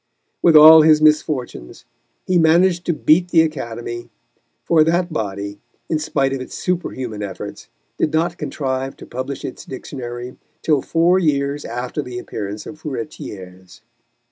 With all his misfortunes he managed to beat the Academy, for that body, in spite of its superhuman efforts, did not contrive to publish its Dictionary till four years after the appearance of Furetière's.